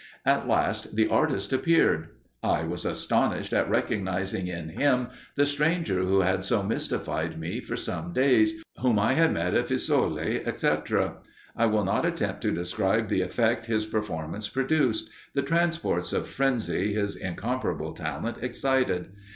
At last the artist appeared. I was astonished at recognising in him the stranger who had so mystified me for some days, whom I had met at Fiesole, etc. I will not attempt to describe the effect his performance produced the transports of frenzy his incomparable talent excited.